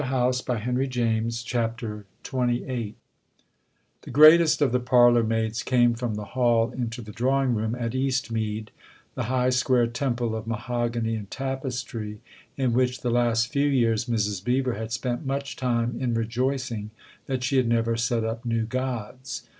END OF BOOK SECOND BOOK THIRD 'V ,, XXVIII THE greatest of the parlourmaids came from the hall into the drawing room at Eastmead the high, square temple of mahogany and tapestry in which, the last few years, Mrs. Beever had spent much time in rejoicing that she had never set up new gods.